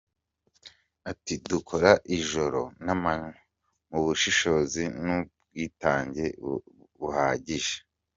Ati “Dukora ijoro n’amanywa, mu bushishozi n’ubwitange buhagije.